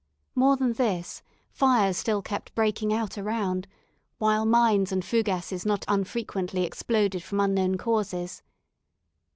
More than this, fires still kept breaking out around; while mines and fougasses not unfrequently exploded from unknown causes.